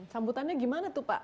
sambutannya gimana tuh pak